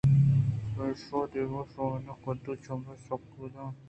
پمیشادائم شاہین ءِ کُدوہءَ چمّے سکّ اِتنت